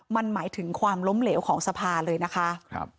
มันหมายถึงความล้มเหลวของสภาเลยนะคะ